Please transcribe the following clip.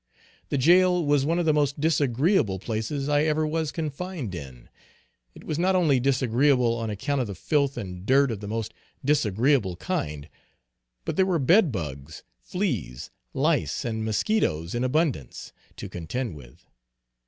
The jail was one of the most disagreeable places I ever was confined in. It was not only disagreeable on account of the filth and dirt of the most disagreeable kind; but there were bed bugs, fleas, lice and musquitoes in abundance, to contend with.